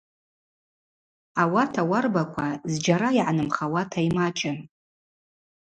Ауат ауарбаква зджьара йгӏанымхауата ймачӏын.